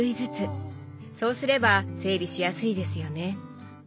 そうすれば整理しやすいですよね。